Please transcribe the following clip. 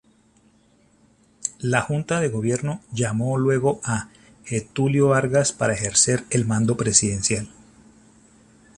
La junta de gobierno llamó luego a Getúlio Vargas para ejercer el mando presidencial.